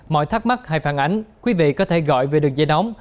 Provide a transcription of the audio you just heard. mọi thắc mắc hay phản ánh quý vị có thể gọi về đường dây nóng